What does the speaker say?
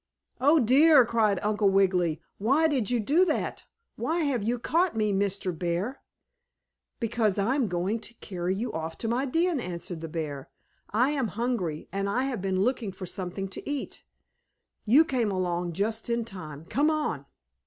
"Oh, dear!" cried Uncle Wiggily. "Why did you do that? Why have you caught me, Mr. Bear?" "Because I am going to carry you off to my den," answered the bear. "I am hungry, and I have been looking for something to eat. You came along just in time. Come on!"